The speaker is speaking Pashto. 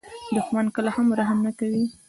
دښمن کله هم رحم نه کوي